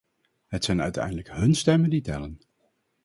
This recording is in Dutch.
Het zijn uiteindelijk hun stemmen die tellen.